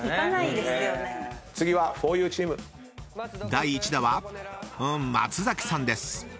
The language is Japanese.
［第１打はうーん松崎さんです］